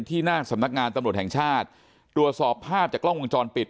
หน้าสำนักงานตำรวจแห่งชาติตรวจสอบภาพจากกล้องวงจรปิด